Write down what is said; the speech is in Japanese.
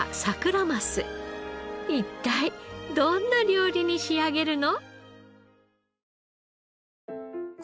一体どんな料理に仕上げるの？